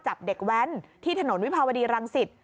จับเด็กแว้นที่ถนนวิภาวดีรังสิต